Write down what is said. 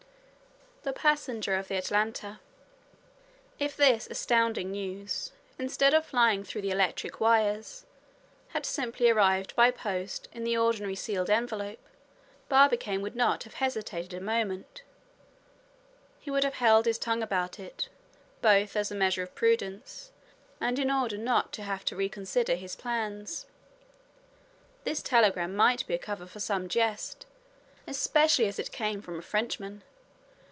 THE PASSENGER OF THE ATLANTA If this astounding news, instead of flying through the electric wires, had simply arrived by post in the ordinary sealed envelope, Barbicane would not have hesitated a moment. He would have held his tongue about it, both as a measure of prudence, and in order not to have to reconsider his plans. This telegram might be a cover for some jest, especially as it came from a Frenchman.